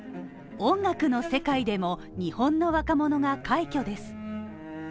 音楽の世界でも、日本の若者が快挙です